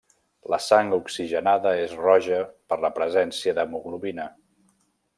La sang oxigenada és roja per la presència d'hemoglobina.